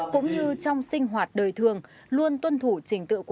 cũng như trong sinh hoạt đời thường luôn tuân thủ trình tự